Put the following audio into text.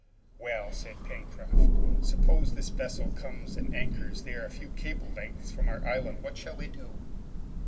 "Well," said Pencroft, "suppose this vessel comes and anchors there a few cables lengths from our island, what shall we do?"